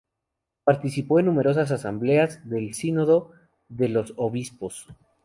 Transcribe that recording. Participó en numerosas asambleas del Sínodo de los Obispos.